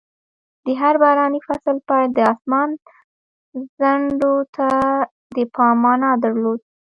د هر باراني فصل پیل د اسمان ځنډو ته د پام مانا درلود.